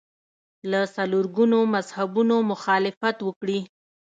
له څلور ګونو مذهبونو مخالفت وکړي